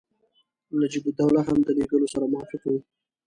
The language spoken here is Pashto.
نجیب الدوله هم د لېږلو سره موافق وو.